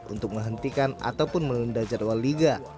untuk menghentikan ataupun menunda jadwal liga